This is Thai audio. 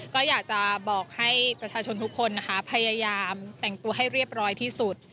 ก็อยากจะบอกให้ประชาชนทุกคนนะคะพยายามแต่งตัวให้เรียบร้อยที่สุด